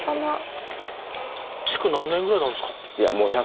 築何年ぐらいなんですか？